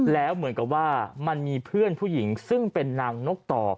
แล้วเหมือนกับว่ามันมีเพื่อนผู้หญิงซึ่งเป็นนางนกต่อ